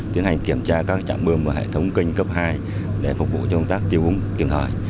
tiến hành kiểm tra các trạm bơm và hệ thống kênh cấp hai để phục vụ cho công tác tiêu hùng tiền thoại